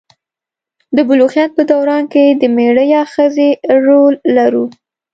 د بلوغیت په دوران کې د میړه یا ښځې رول لرو.